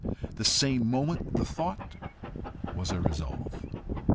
The same moment the thought was a resolve.